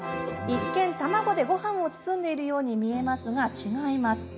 一見、卵でごはんを包んでいるように見えますが違います。